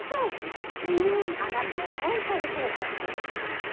あなたは本当に手が焼ける。